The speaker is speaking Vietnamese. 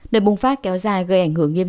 đời bùng phát kéo dài gây ảnh hưởng nghiệm